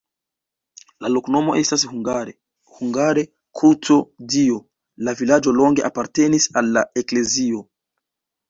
La loknomo estas hungare: hungara-kruco-Dio, la vilaĝo longe apartenis al la eklezio.